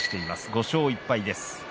５勝１敗です。